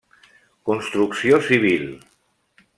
Construcció Civil: